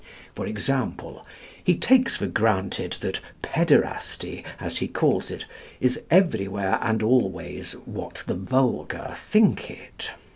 For example, he takes for granted that "Pederasty," as he calls it, is everywhere and always what the vulgar think it.